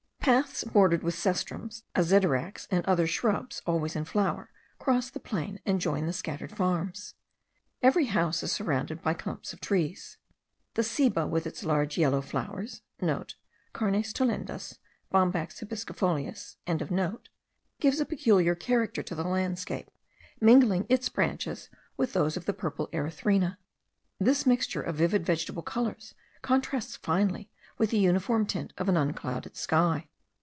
Paths bordered with cestrums, azedaracs, and other shrubs always in flower, cross the plain, and join the scattered farms. Every house is surrounded by clumps of trees. The ceiba with its large yellow flowers* (* Carnes tollendas, Bombax hibiscifolius.) gives a peculiar character to the landscape, mingling its branches with those of the purple erythrina. This mixture of vivid vegetable colours contrasts finely with the uniform tint of an unclouded sky.